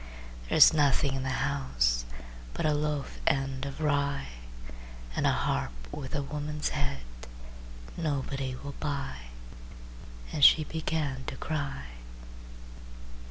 "There's nothing in the house But a loaf end of rye, And a harp with a woman's head Nobody will buy," And she began to cry.